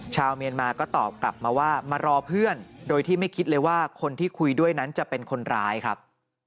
ชาวเมียนมาก็ตอบกลับมาว่ามารอเพื่อนโดยที่ไม่คิดเลยว่าคนที่คุยด้วยนั้นจะเป็นคนร้ายครับ